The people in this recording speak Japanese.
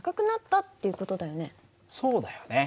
そうだよね。